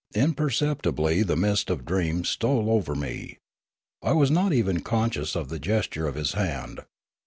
Imperceptibly the mist of dreams stole over me. I was not even con scious of the gesture of his hand.